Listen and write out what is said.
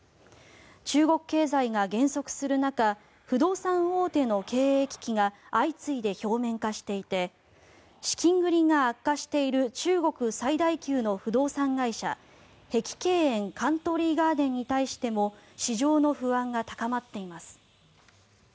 中国経済が減速する中不動産大手の経営危機が相次いで表面化していて資金繰りが悪化している中国最大級の不動産会社碧桂園＝カントリー・ガーデンに対しても市場の不安が高まっています。